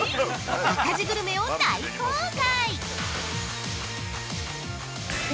赤字グルメを大公開！